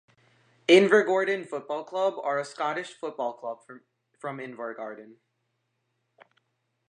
Invergordon Football Club are a Scottish football club from Invergordon.